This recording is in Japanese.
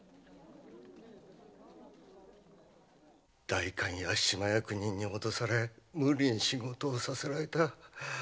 代官や島役人に脅され無理に仕事をさせられた。